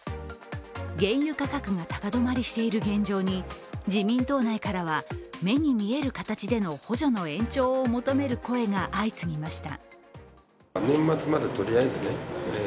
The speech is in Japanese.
原油価格が高止まりしている現状に自民党内からは目に見える形での補助の延長を求める声が相次ぎました。